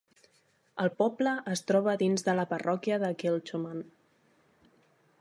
El poble es troba dins de la parròquia de Kilchoman.